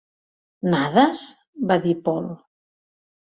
"Nades?" va dir Paul.